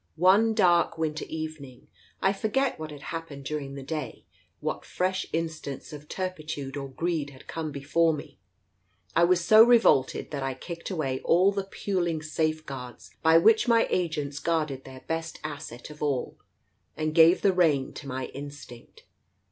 "One dark winter evening — I forget what had hap pened during the day, what fresh instance of turpitude or greed had come before me — I was so revolted that I kicked away all the puling safeguards by which my agents guarded their best asset of all, and gave the rein to my instinct.